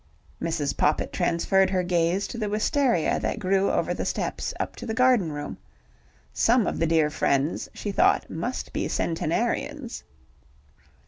Mrs. Poppit transferred her gaze to the wistaria that grew over the steps up to the garden room. Some of the dear friends she thought must be centenarians.